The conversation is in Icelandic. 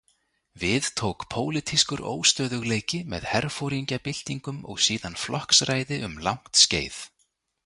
Við tók pólitískur óstöðugleiki með herforingjabyltingum og síðan flokksræði um langt skeið.